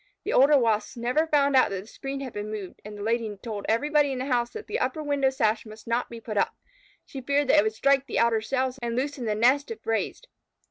The older Wasps never found out that the screen had been moved, and the Lady told everybody in the house that the upper window sash must not be put up. She feared that it would strike the outer cells and loosen the nest if raised.